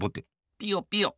ピヨピヨ。